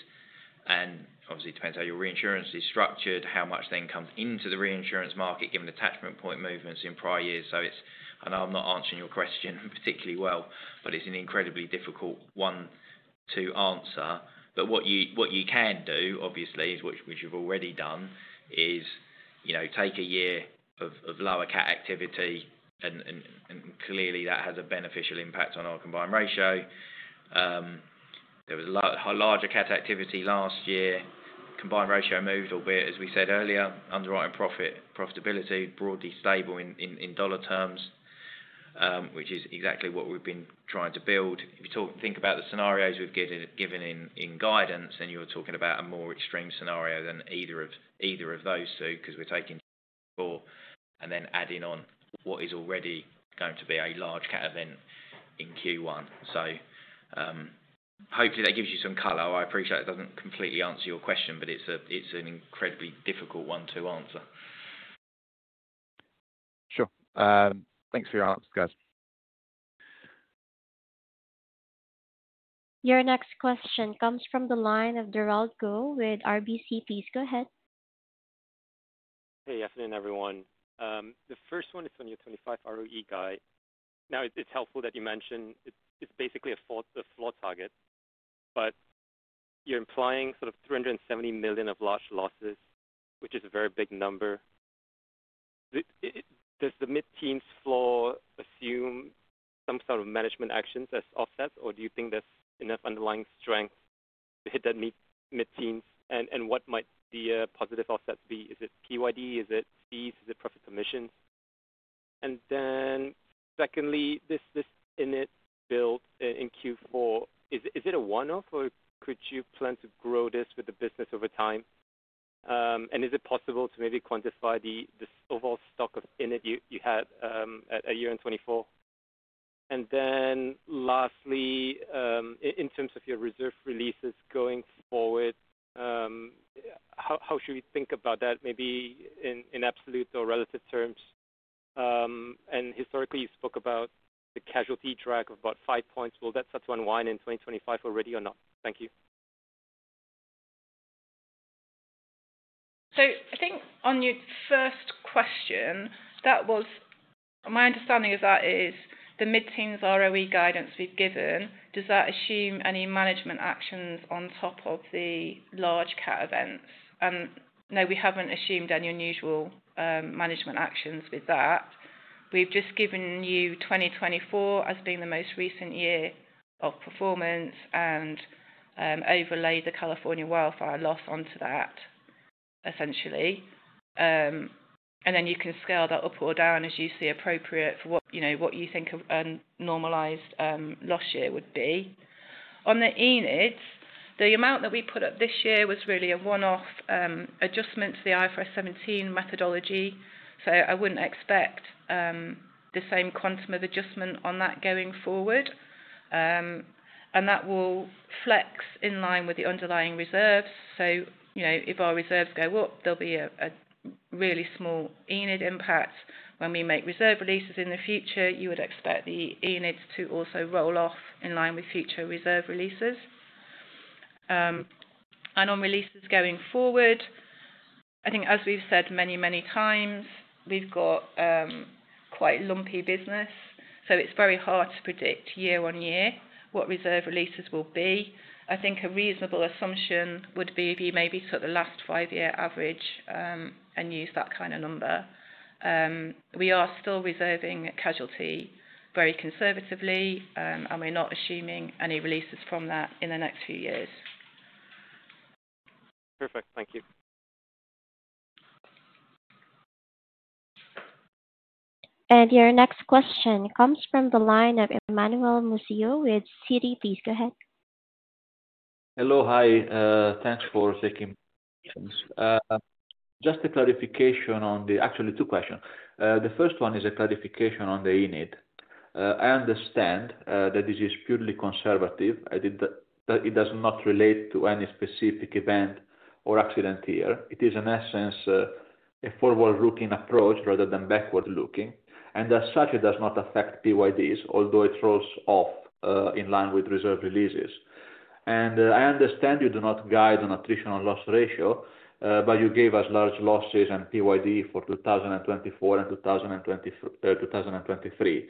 And obviously, it depends how your reinsurance is structured, how much then comes into the reinsurance market, given attachment point movements in prior years. So I know I'm not answering your question particularly well, but it's an incredibly difficult one to answer. But what you can do, obviously, which you've already done, is take a year of lower cat activity, and clearly that has a beneficial impact on our combined ratio. There was a larger cat activity last year. Combined ratio moved, albeit, as we said earlier, underwriting profitability broadly stable in dollar terms, which is exactly what we've been trying to build. If you think about the scenarios we've given in guidance, then you're talking about a more extreme scenario than either of those two because we're taking Q4 and then adding on what is already going to be a large cat event in Q1. So hopefully that gives you some color. I appreciate it doesn't completely answer your question, but it's an incredibly difficult one to answer. Sure. Thanks for your answers, guys. Your next question comes from the line of Derald Goh with RBC. Go ahead. Hey, afternoon, everyone. The first one is on your 2025 ROE guide. Now, it's helpful that you mentioned it's basically a floor target, but you're implying sort of $370 million of large losses, which is a very big number. Does the mid-teens floor assume some sort of management actions as offsets, or do you think there's enough underlying strength to hit that mid-teens? And what might the positive offsets be? Is it PYD? Is it fees? Is it profit commissions? And then secondly, this ENID build in Q4, is it a one-off, or could you plan to grow this with the business over time? And is it possible to maybe quantify the overall stock of ENID you had a year in 2024? And then lastly, in terms of your reserve releases going forward, how should we think about that, maybe in absolute or relative terms? And historically, you spoke about the casualty drag of about five points. Will that start to unwind in 2025 already or not? Thank you. So, I think on your first question, my understanding is that is the mid-teens ROE guidance we've given, does that assume any management actions on top of the large cat events? And no, we haven't assumed any unusual management actions with that. We've just given you 2024 as being the most recent year of performance and overlay the California wildfire loss onto that, essentially. And then you can scale that up or down as you see appropriate for what you think a normalized loss year would be. On the ENIDs, the amount that we put up this year was really a one-off adjustment to the IFRS 17 methodology. So I wouldn't expect the same quantum of adjustment on that going forward. And that will flex in line with the underlying reserves. So if our reserves go up, there'll be a really small ENID impact. When we make reserve releases in the future, you would expect the ENIDs to also roll off in line with future reserve releases. And on releases going forward, I think, as we've said many, many times, we've got quite lumpy business. So it's very hard to predict year on year what reserve releases will be. I think a reasonable assumption would be if you maybe took the last five-year average and used that kind of number. We are still reserving casualty very conservatively, and we're not assuming any releases from that in the next few years. Perfect. Thank you. And your next question comes from the line of Emmanuel Musieu with Citi. Go ahead. Hello, hi. Thanks for taking my questions. Just a clarification on the, actually, two questions. The first one is a clarification on the ENID. I understand that this is purely conservative. It does not relate to any specific event or accident here. It is, in essence, a forward-looking approach rather than backward-looking, and as such, it does not affect PYDs, although it rolls off in line with reserve releases. And I understand you do not guide on attritional loss ratio, but you gave us large losses and PYD for 2024 and 2023,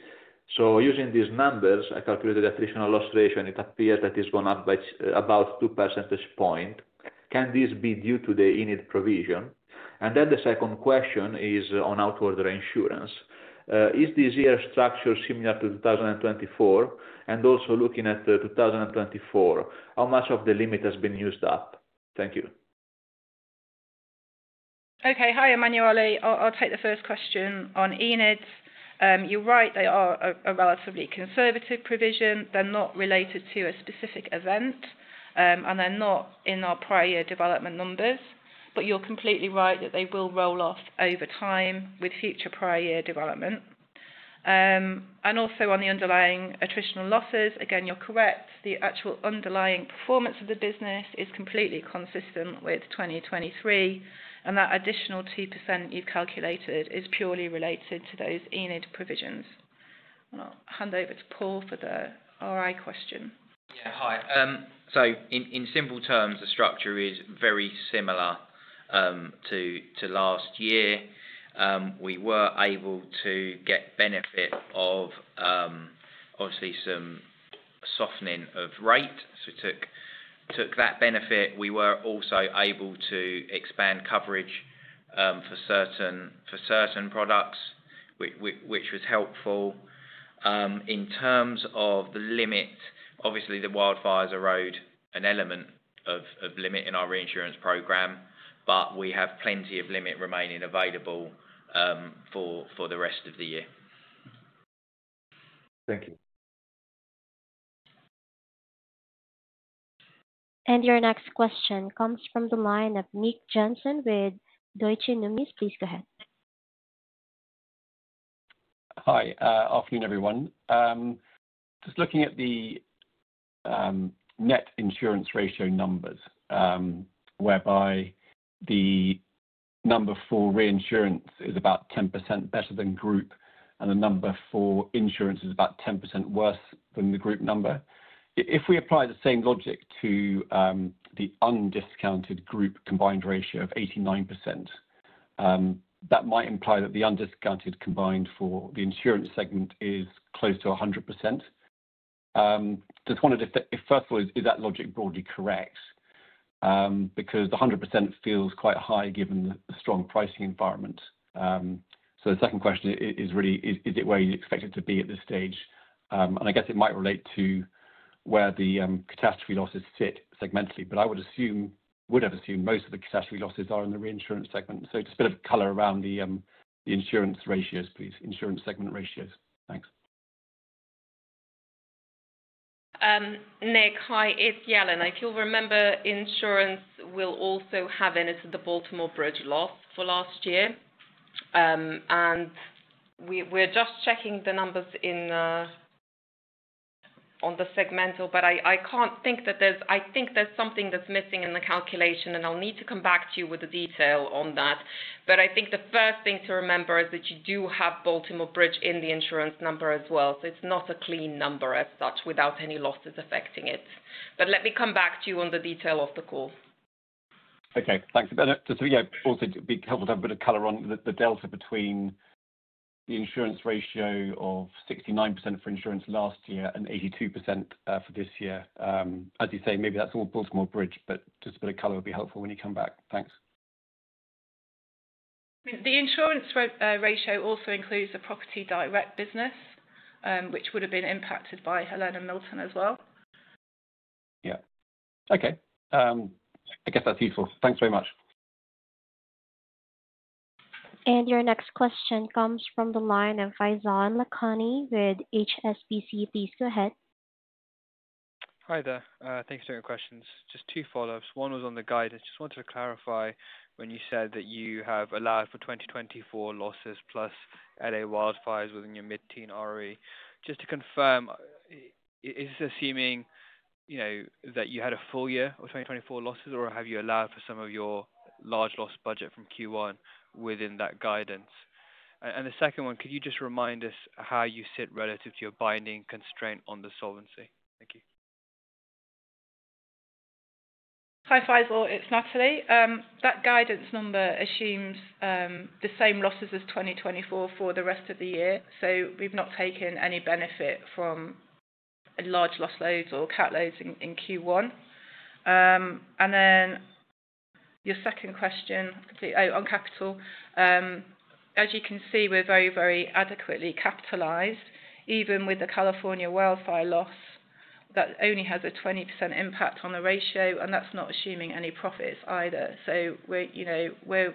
so using these numbers, I calculated the attritional loss ratio, and it appears that it's gone up by about two percentage points. Can this be due to the ENID provision, and then the second question is on outward reinsurance. Is this year's structure similar to 2024, and also looking at 2024, how much of the limit has been used up? Thank you. Okay, hi, Emmanuel. I'll take the first question on ENIDs. You're right, they are a relatively conservative provision. They're not related to a specific event, and they're not in our prior year development numbers. But you're completely right that they will roll off over time with future prior year development. And also on the underlying attritional losses, again, you're correct. The actual underlying performance of the business is completely consistent with 2023, and that additional 2% you've calculated is purely related to those ENID provisions. I'll hand over to Paul for the RI question. Yeah, hi. So in simple terms, the structure is very similar to last year. We were able to get benefit of, obviously, some softening of rate. So we took that benefit. We were also able to expand coverage for certain products, which was helpful. In terms of the limit, obviously, the wildfires erode an element of limit in our reinsurance program, but we have plenty of limit remaining available for the rest of the year. Thank you. And your next question comes from the line of Nick Johnson with Deutsche Numis. Please go ahead. Hi, afternoon, everyone. Just looking at the net insurance ratio numbers, whereby the number for reinsurance is about 10% better than group, and the number for insurance is about 10% worse than the group number. If we apply the same logic to the undiscounted group combined ratio of 89%, that might imply that the undiscounted combined for the insurance segment is close to 100%. Just wondered if, first of all, is that logic broadly correct? Because 100% feels quite high given the strong pricing environment. So the second question is really, is it where you expect it to be at this stage? And I guess it might relate to where the catastrophe losses sit segmentally, but I would have assumed most of the catastrophe losses are in the reinsurance segment. So just a bit of color around the insurance ratios, please. Insurance segment ratios. Thanks. Nick, hi. It's Jelena. If you'll remember, insurance will also have. It's the Baltimore Bridge loss for last year. And we're just checking the numbers on the segmental, but I can't think that there's. I think there's something that's missing in the calculation, and I'll need to come back to you with the detail on that. But I think the first thing to remember is that you do have Baltimore Bridge in the insurance number as well. So it's not a clean number as such without any losses affecting it. But let me come back to you on the detail of the call. Okay. Thanks. And just to, yeah, also be helpful to have a bit of color on the delta between the insurance ratio of 69% for insurance last year and 82% for this year. As you say, maybe that's all Baltimore Bridge, but just a bit of color would be helpful when you come back. Thanks. The insurance ratio also includes the property direct business, which would have been impacted by Helene and Milton as well. Yeah. Okay. I guess that's useful. Thanks very much. And your next question comes from the line of Faizan Lakhani with HSBC. Please go ahead. Hi there. Thanks for your questions. Just two follow-ups. One was on the guidance. Just wanted to clarify when you said that you have allowed for 2024 losses plus L.A. wildfires within your mid-teens ROE. Just to confirm, is this assuming that you had a full year of 2024 losses, or have you allowed for some of your large loss budget from Q1 within that guidance? And the second one, could you just remind us how you sit relative to your binding constraint on the solvency? Thank you. Hi, Faizan. It's Natalie. That guidance number assumes the same losses as 2024 for the rest of the year. So we've not taken any benefit from large loss loads or cat loads in Q1. And then your second question on capital, as you can see, we're very, very adequately capitalized, even with the California wildfire loss that only has a 20% impact on the ratio, and that's not assuming any profits either. So we're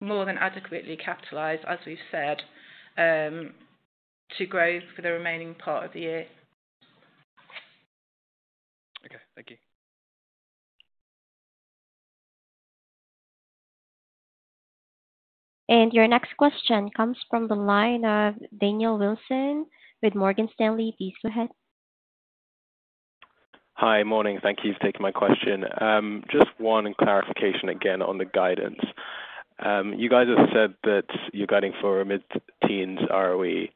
more than adequately capitalized, as we've said, to grow for the remaining part of the year. Okay. Thank you. And your next question comes from the line of Daniel Wilson with Morgan Stanley. Please go ahead. Hi, morning. Thank you for taking my question. Just one clarification again on the guidance. You guys have said that you're guiding for a mid-teens ROE,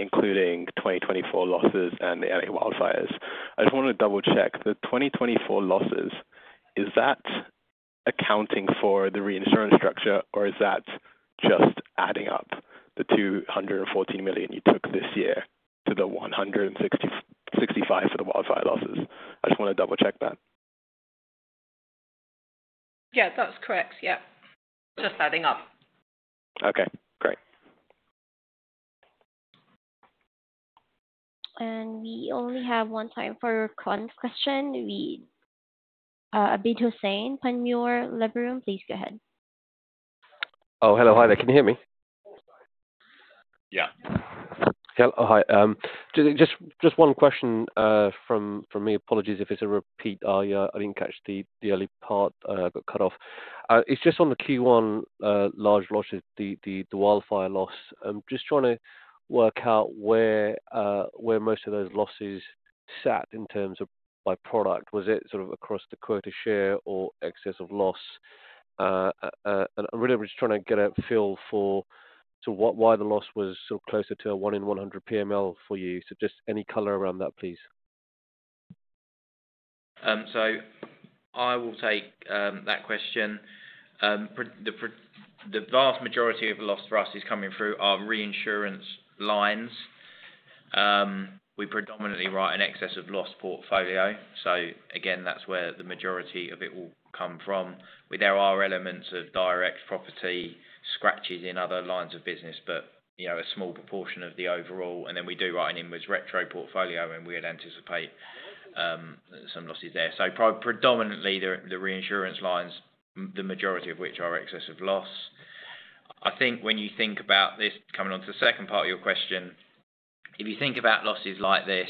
including 2024 losses and the L.A. wildfires. I just want to double-check. The 2024 losses, is that accounting for the reinsurance structure, or is that just adding up the $214 million you took this year to the $165 million for the wildfire losses? I just want to double-check that. Yeah, that's correct. Yeah. Just adding up. Okay. Great. And we only have one time for your current question. Abid Hussain, Panmure Liberum. Please go ahead. Oh, hello. Hi there. Can you hear me? Yeah. Hi. Just one question from me. Apologies if it's a repeat. I didn't catch the early part. I got cut off. It's just on the Q1 large losses, the wildfire loss. I'm just trying to work out where most of those losses sat in terms of by product. Was it sort of across the quota share or excess of loss? And really, I'm just trying to get a feel for why the loss was sort of closer to a 1 in 100 PML for you. So just any color around that, please. So I will take that question. The vast majority of the loss for us is coming through our reinsurance lines. We predominantly write an excess of loss portfolio. So again, that's where the majority of it will come from. There are elements of direct property cats in other lines of business, but a small proportion of the overall. Then we do write an inwards retro portfolio, and we would anticipate some losses there. So predominantly, the reinsurance lines, the majority of which are excess of loss. I think when you think about this coming on to the second part of your question, if you think about losses like this,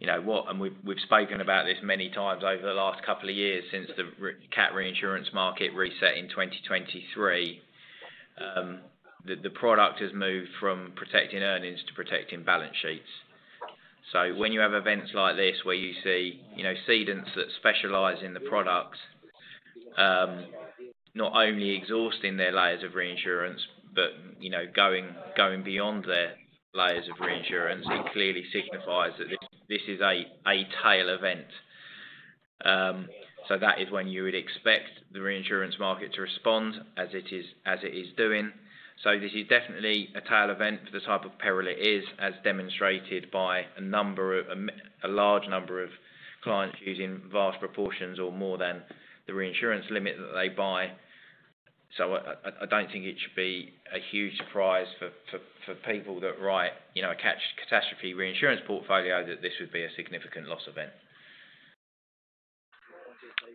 and we've spoken about this many times over the last couple of years since the cat reinsurance market reset in 2023, the product has moved from protecting earnings to protecting balance sheets. So when you have events like this where you see cedents that specialize in the product, not only exhausting their layers of reinsurance, but going beyond their layers of reinsurance, it clearly signifies that this is a tail event. So that is when you would expect the reinsurance market to respond, as it is doing. This is definitely a tail event for the type of peril it is, as demonstrated by a large number of clients using vast proportions or more than the reinsurance limit that they buy. So I don't think it should be a huge surprise for people that write a catastrophe reinsurance portfolio that this would be a significant loss event.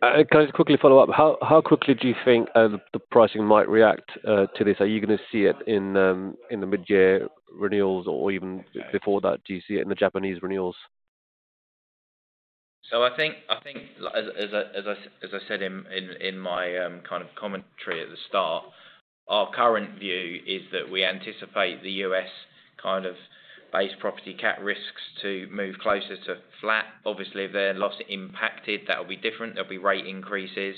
Can I just quickly follow up? How quickly do you think the pricing might react to this? Are you going to see it in the mid-year renewals or even before that? Do you see it in the Japanese renewals? So I think, as I said in my kind of commentary at the start, our current view is that we anticipate the U.S. kind of base property cat risks to move closer to flat. Obviously, if they're loss impacted, that will be different. There'll be rate increases.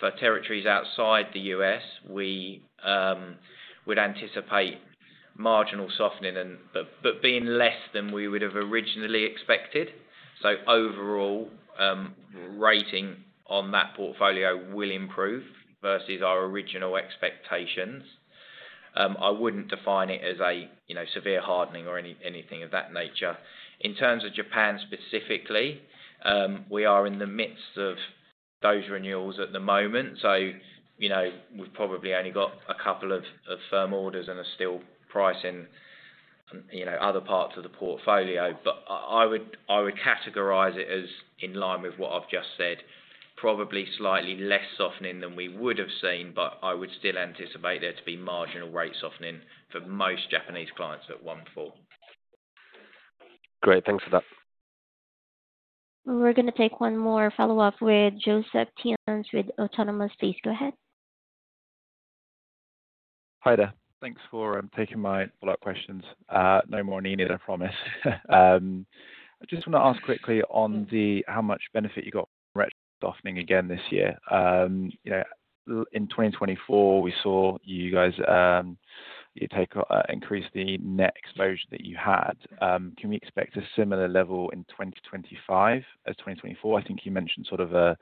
For territories outside the U.S., we would anticipate marginal softening, but being less than we would have originally expected. So overall, rating on that portfolio will improve versus our original expectations. I wouldn't define it as a severe hardening or anything of that nature. In terms of Japan specifically, we are in the midst of those renewals at the moment. So we've probably only got a couple of firm orders and are still pricing other parts of the portfolio. But I would categorize it as in line with what I've just said, probably slightly less softening than we would have seen, but I would still anticipate there to be marginal rate softening for most Japanese clients at one fall. Great. Thanks for that. We're going to take one more follow-up with Joseph Theuns with Autonomous. Please go ahead. Hi there. Thanks for taking my follow-up questions. No more on ENID, I promise. I just want to ask quickly on how much benefit you got from retro softening again this year. In 2024, we saw you guys increase the net exposure that you had. Can we expect a similar level in 2025 as 2024? I think you mentioned sort of a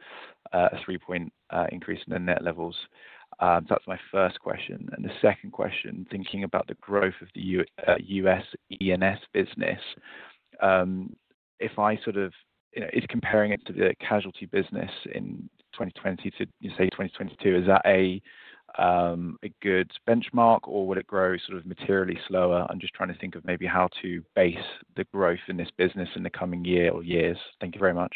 three-point increase in the net levels. That's my first question. And the second question, thinking about the growth of the U.S. E&S business, if I sort of is comparing it to the casualty business in 2020 to, say, 2022, is that a good benchmark, or will it grow sort of materially slower? I'm just trying to think of maybe how to base the growth in this business in the coming year or years. Thank you very much.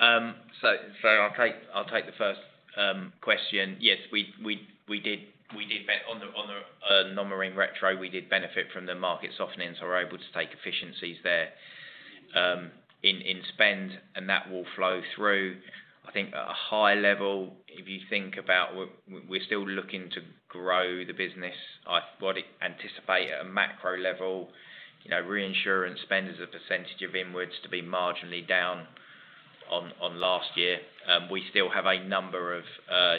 So I'll take the first question. Yes, we did bet on the non-marine retro. We did benefit from the market softening, so we're able to take efficiencies there in spend, and that will flow through. I think at a high level, if you think about we're still looking to grow the business. I would anticipate at a macro level, reinsurance spend is a percentage of inwards to be marginally down on last year. We still have a number of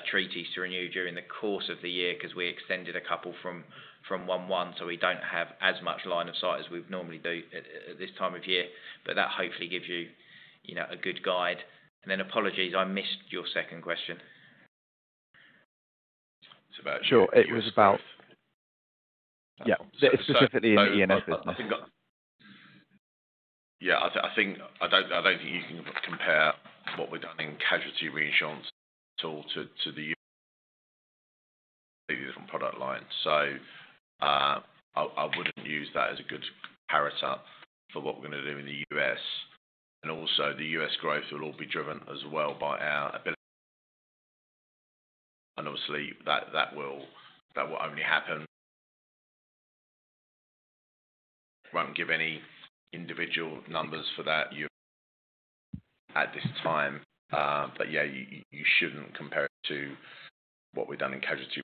treaties to renew during the course of the year because we extended a couple from one one, so we don't have as much line of sight as we normally do at this time of year. But that hopefully gives you a good guide. And then apologies, I missed your second question. Sure. It was about, yeah, specifically in the E&S business. Yeah. I don't think you can compare what we've done in casualty reinsurance at all to the different product lines. So I wouldn't use that as a good paradigm for what we're going to do in the U.S. And also, the U.S. growth will all be driven as well by our ability. And obviously, that will only happen. I won't give any individual numbers for that at this time. But yeah, you shouldn't compare it to what we've done in casualty.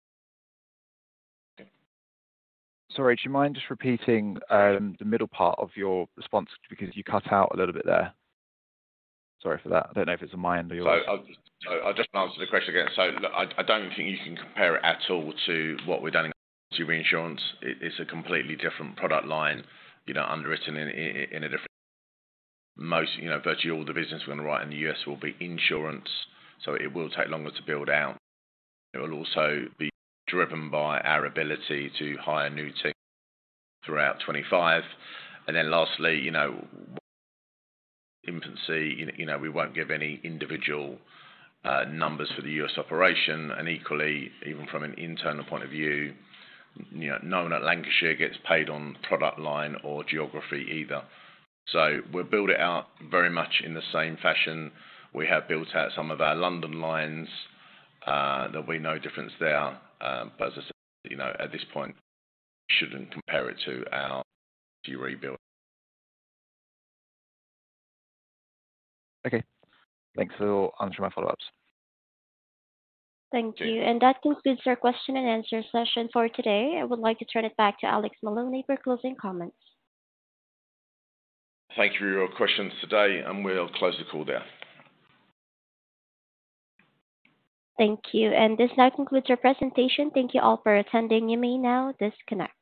Sorry, do you mind just repeating the middle part of your response because you cut out a little bit there? Sorry for that. I don't know if it's on my end or yours. So I'll just answer the question again. So I don't think you can compare it at all to what we've done in casualty reinsurance. It's a completely different product line underwritten in a different virtually all the business we're going to write in the U.S. will be insurance. So it will take longer to build out. It will also be driven by our ability to hire new teams throughout 2025. And then lastly, in its infancy, we won't give any individual numbers for the U.S. operation. And equally, even from an internal point of view, no one at Lancashire gets paid on product line or geography either. So we'll build it out very much in the same fashion. We have built out some of our London lines that we know the difference there. But as I said, at this point, we shouldn't compare it to our rebuild. Okay. Thanks for answering my follow-ups. Thank you. And that concludes our question and answer session for today. I would like to turn it back to Alex Maloney for closing comments. Thank you for your questions today, and we'll close the call there. Thank you. And this now concludes our presentation. Thank you all for attending. You may now disconnect.